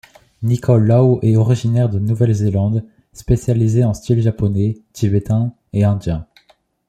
Nikole Lowe est originaire de Nouvelle-Zélande, spécialisé en style japonais, tibétain et indien.